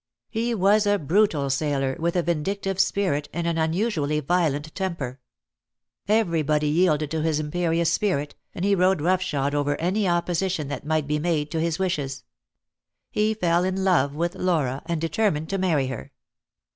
He was a brutal sailor, with a vindictive spirit and an unusually violent temper. Everybody yielded to his imperious spirit, and he rode rough shod over any opposition that might be made to his wishes. He fell in love with Laura, and determined to marry her.